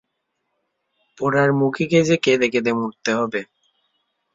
পোড়ারমুখিকে যে কেঁদে কেঁদে মরতে হবে।